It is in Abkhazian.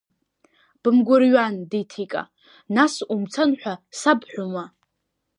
Бымгәырҩан, ди Ҭика, нас умцан ҳәа сабҳәома?